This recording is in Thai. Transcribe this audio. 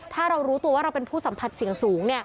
ถ้าเรารู้ตัวว่าเราเป็นผู้สัมผัสเสี่ยงสูง